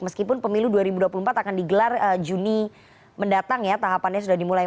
meskipun pemilu dua ribu dua puluh empat akan digelar juni mendatang ya tahapannya sudah dimulai